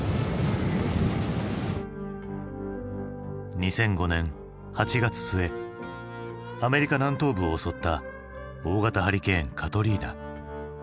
２００５年８月末アメリカ南東部を襲った大型ハリケーン・カトリーナ。